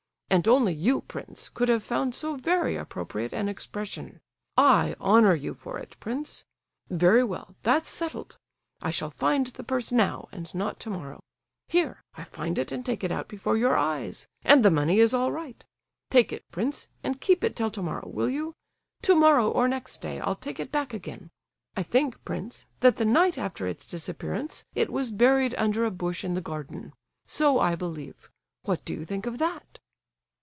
"And only you, prince, could have found so very appropriate an expression. I honour you for it, prince. Very well, that's settled; I shall find the purse now and not tomorrow. Here, I find it and take it out before your eyes! And the money is all right. Take it, prince, and keep it till tomorrow, will you? Tomorrow or next day I'll take it back again. I think, prince, that the night after its disappearance it was buried under a bush in the garden. So I believe—what do you think of that?"